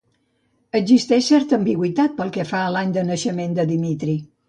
Existeix certa ambigüitat pel que fa a l'any de naixement de Dimitrie.